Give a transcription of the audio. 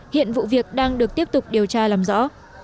hiện vụ việc đang được tiếp tục điều tra làm rõ